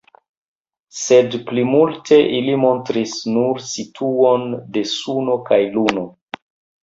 Sed plimulte ili montris nur situon de Suno kaj Luno.